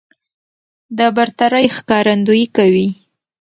د برترۍ ښکارندويي کوي